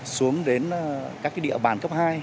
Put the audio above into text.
xuống đến các cái địa bàn cấp hai